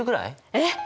えっ！